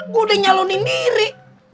gue udah nyalonin diri